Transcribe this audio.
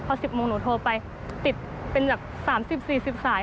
พอ๑๐โมงหนูโทรไปติดเป็นแบบ๓๐๔๐สาย